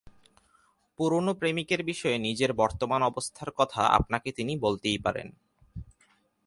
পুরোনো প্রেমিকের বিষয়ে নিজের বর্তমান অবস্থার কথা আপনাকে তিনি বলতেই পারেন।